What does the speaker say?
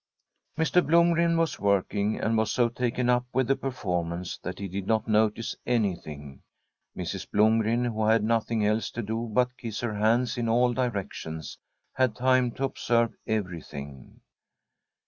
Mr. Blomg^en was working, and was so taken up with the performance that he did not notice anything. Mrs. Blomgren, who had nothing else to do but kiss her hands in all directions, had time to observe everything.